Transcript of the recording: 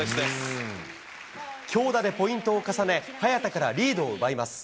強打でポイントを重ね、早田からリードを奪います。